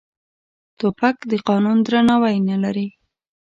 توپک د قانون درناوی نه لري.